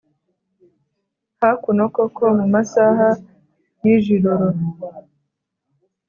hakuno koko mumasaha yijiroro